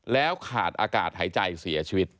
แล้วขาดอากาศหายใจเสียชีวิต